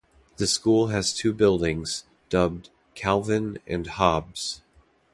The school has two buildings, dubbed "Calvin" and "Hobbes".